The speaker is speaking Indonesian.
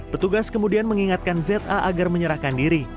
petugas kemudian mengingatkan za agar menyerahkan diri